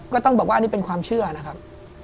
ก็ต้องบอกว่านี่เป็นความเชื่อนะครับ